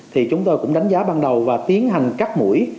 thì chúng tôi cũng đánh giá ban đầu và tiến hành cắt mũi